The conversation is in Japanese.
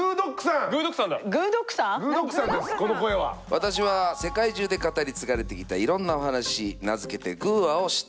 私は世界中で語り継がれてきたいろんなお話名付けて「グぅ！話」を知っている超賢いワンちゃんグぅ！